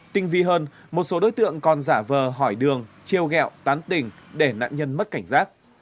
tinh vi hơn một số đối tượng còn giả vờ hỏi đường treo gẹo tán tình để nạn nhân mất cảnh giác